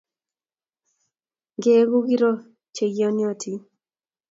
Ngeeku kiro che iyanotin